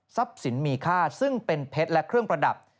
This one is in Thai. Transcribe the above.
สินมีค่าซึ่งเป็นเพชรและเครื่องประดับ